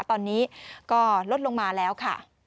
ตอนนี้ก็ลดลงมาแล้วค่ะ